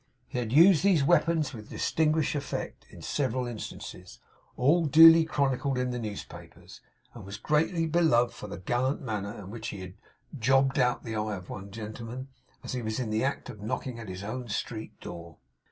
He had used these weapons with distinguished effect in several instances, all duly chronicled in the newspapers; and was greatly beloved for the gallant manner in which he had 'jobbed out' the eye of one gentleman, as he was in the act of knocking at his own street door.